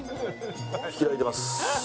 開いてます。